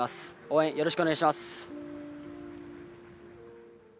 応援よろしくお願いします。